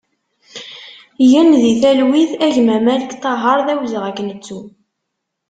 Gen di talwit a gma Malek Tahaṛ, d awezɣi ad k-nettu!